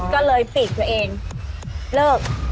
ก็เลยปีกตัวเองเลิก